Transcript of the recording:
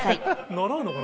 習うのかな？